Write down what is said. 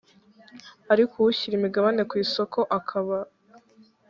ariko ushyira imigabane ku isoko akaba